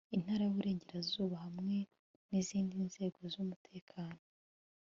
intara y'iburengerazuba hamwe n'izindi nzego z'umutekano